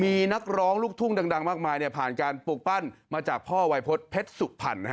มีนักร้องลูกทุ่งดังมากมายผ่านการปลูกปั้นมาจากพ่อวัยพฤษเพชรสุพรรณ